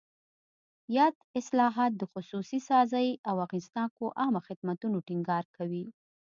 یاد اصلاحات د خصوصي سازۍ او اغېزناکو عامه خدمتونو ټینګار کوي.